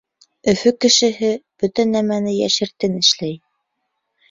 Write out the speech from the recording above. Өфө кешеһе бөтә нәмәне йәшертен эшләй.